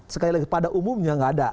sekali lagi pada umumnya nggak ada